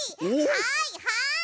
はいはい！